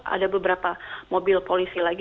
ada beberapa mobil polisi lagi